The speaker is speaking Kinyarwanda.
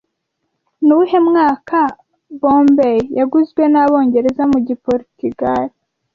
Ni uwuhe mwaka Bombay yaguzwe n'abongereza mu Giportigale